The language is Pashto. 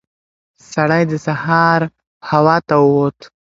سړی د سهار هوا ته ووت.